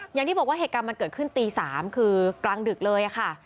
อย่างที่บอกว่าเหตุการณ์มันเกิดขึ้นตี๓คือกลางดึกเลยค่ะ